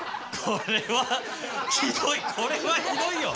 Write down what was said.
これはひどいよ！